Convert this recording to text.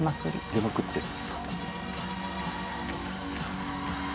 出まくってる。